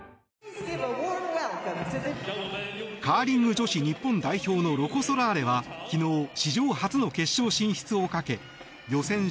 カーリング女子日本代表のロコ・ソラーレは昨日、史上初の決勝進出をかけ予選